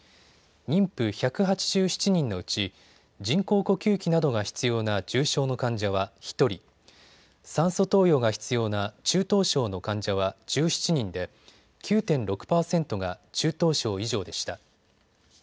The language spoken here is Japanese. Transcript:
妊婦１８７人のうち人工呼吸器などが必要な重症の患者は１人、酸素投与が必要な中等症の患者は１７人で９．６％が中等症以上でした。